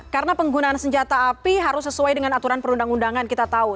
karena penggunaan senjata api harus sesuai dengan aturan perundang undangan kita tahu